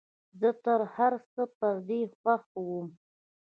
زه تر هرڅه پر دې خوښ وم.